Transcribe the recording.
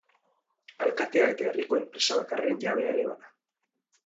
Alkatea eta herriko enpresa bakarraren jabea ere bada.